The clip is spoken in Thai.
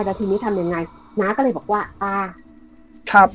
แล้วทีนี้ทำยังไงน้าก็เลยบอกว่าอ่าครับ